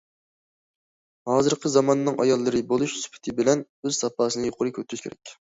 ھازىرقى زاماننىڭ ئاياللىرى بولۇش سۈپىتى بىلەن ئۆز ساپاسىنى يۇقىرى كۆتۈرۈش كېرەك.